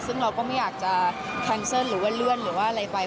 ซึ่งเราก็ไม่อยากจะแคนเซิลหรือว่าเลื่อนหรือว่าอะไรไป